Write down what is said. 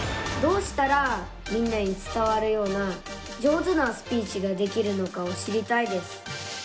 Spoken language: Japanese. どうしたらみんなに伝わるような上手なスピーチができるのかを知りたいです。